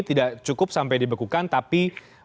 tidak cukup sampai dibekukan tapi